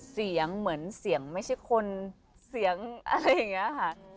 เสียงเหมือนเสียงไม่ใช่คนเสียงอะไรอย่างนี้ค่ะ